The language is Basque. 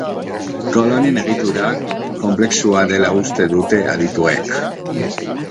Kolonien egitura konplexua dela uste dute adituek.